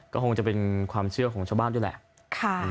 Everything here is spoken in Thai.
ก็คงจะเป็นความเชื่อของชาวบ้านด้วยแหละ